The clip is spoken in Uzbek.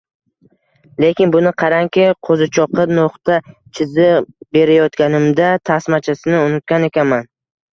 Lekin, buni qarangki, qo‘zichoqqa no‘xta chizib berayotganimda, tasmachasini unutgan ekanman.